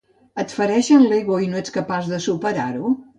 Et fereixen l'ego i no ets capaç de superar-ho?